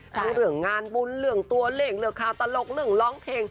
ทั้งเหลืองงานบุญเหลืองตัวเหล่งเหลืองข่าวตลกเหลืองร้องเพลง